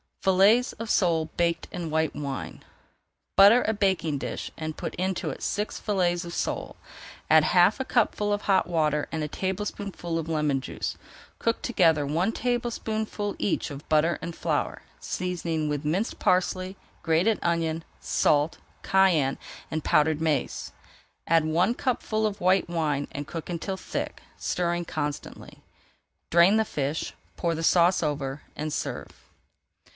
FILLETS OF SOLE BAKED IN WHITE WINE Butter a baking dish and put into it six fillets of sole. Add half a cupful of hot water and a tablespoonful of lemon juice. Cook together one tablespoonful each of butter and flour, seasoning with minced parsley, grated onion, salt, cayenne, and powdered mace. Add one cupful of white wine and cook until thick, stirring constantly. Drain the fish, pour the sauce over, and serve.